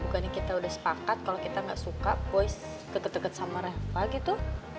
bukannya kita udah sepakat kalau kita gak suka boy deket deket sama reva gitu